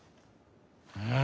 うん。